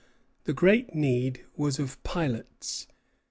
The great need was of pilots.